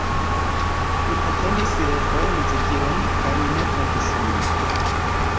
Mi atendis refoje muzikilon kaj mi ne trompis min.